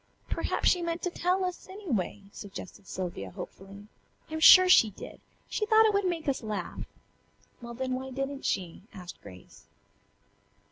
"Perhaps she meant to tell us, anyway," suggested Sylvia hopefully. "I'm sure she did. She thought it would make us laugh." "Well, then why didn't she?" asked Grace.